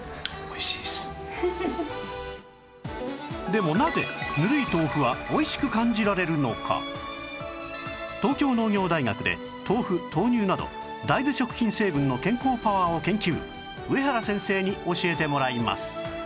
でも東京農業大学で豆腐豆乳など大豆食品成分の健康パワーを研究上原先生に教えてもらいます